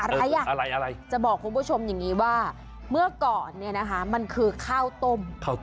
อะไรอ่ะอะไรอะไรจะบอกคุณผู้ชมอย่างนี้ว่าเมื่อก่อนเนี่ยนะคะมันคือข้าวต้ม